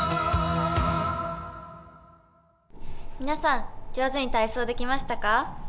皆さん、上手に体操できましたか？